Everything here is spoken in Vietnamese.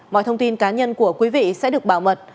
mọi thông tin cá nhân của quý vị sẽ được bảo mật